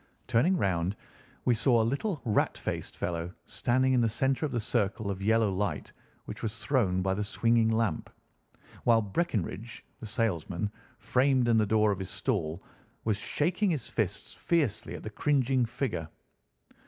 Turning round we saw a little rat faced fellow standing in the centre of the circle of yellow light which was thrown by the swinging lamp, while Breckinridge, the salesman, framed in the door of his stall, was shaking his fists fiercely at the cringing figure.